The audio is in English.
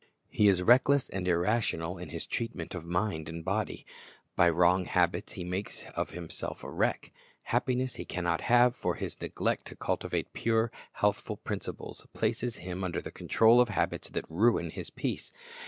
He is reckless and irrational in his treatment of mind and body. By wrong habits he makes of himself a wreck. Happiness he can not have; for his neglect to cultivate pure, healthful principles places him under the control of habits that ruin his peace.